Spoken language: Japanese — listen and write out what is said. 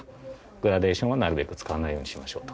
グラデーションはなるべく使わないようにしましょうとか。